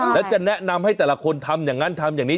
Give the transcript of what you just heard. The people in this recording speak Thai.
แล้วจะแนะนำให้แต่ละคนทำอย่างนั้นทำอย่างนี้